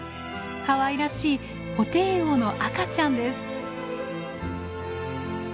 かわいらしいホテイウオの赤ちゃんです。